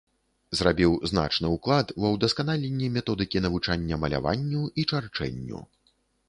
Зрабіў значны ўклад ва ўдасканаленне методыкі навучання маляванню і чарчэнню.